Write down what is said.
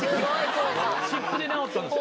湿布で治ったんですか？